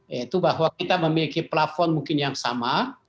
yaitu bahwa kita memiliki plafon mungkin yang sama